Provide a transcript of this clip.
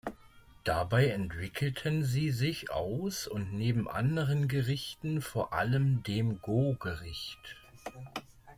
Dabei entwickelten sie sich aus und neben anderen Gerichten, vor allem dem Gogericht.